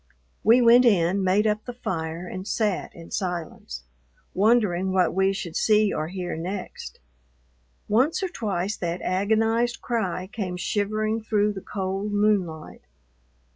We went in, made up the fire, and sat in silence, wondering what we should see or hear next. Once or twice that agonized cry came shivering through the cold moonlight.